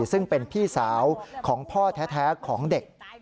ซึ่งเป็นพี่สาวของพ่อแท้ของเด็ก